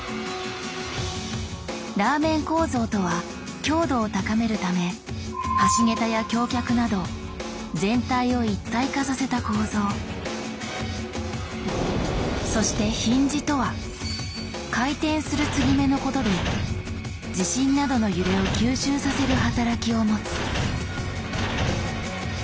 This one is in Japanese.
「ラーメン構造」とは強度を高めるためそして「ヒンジ」とは回転する継ぎ目のことで地震などの揺れを吸収させる働きを持つ。